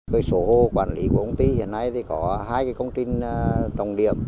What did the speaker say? với số hồ quản lý của công ty hiện nay có hai công trình trọng điểm